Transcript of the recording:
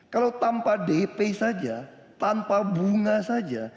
kalau tanpa dp saja tanpa bunga saja